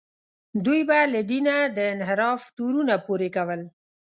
دوی به له دینه د انحراف تورونه پورې کول.